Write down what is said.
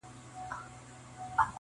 ما اورېدلی قحط الرجال دی -